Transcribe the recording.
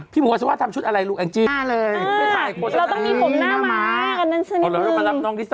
พี่ไปขายอีกแล้วหรอ